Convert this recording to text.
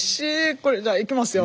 これじゃあいきますよ。